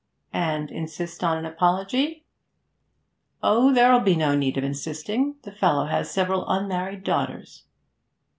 'And insist on an apology?' 'Oh, there'll be no need of insisting. The fellow has several unmarried daughters.'